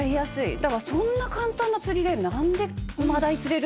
だから「そんな簡単な釣りで何でマダイ釣れる？」